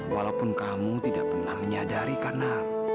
walaupun kamu tidak pernah menyadari karena